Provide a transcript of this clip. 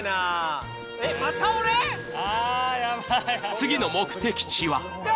次の目的地は。